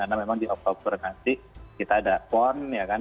karena memang di oktober nanti kita ada pon ya kan